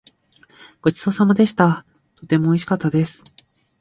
ごちそうさまでした。とてもおいしかったです。